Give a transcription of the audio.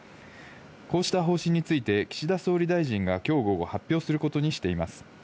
こうした方針について岸田総理大臣がきょう午後、発表することにしています。